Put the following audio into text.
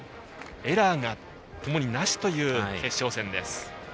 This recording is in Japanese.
エラーがともになしという決勝戦です。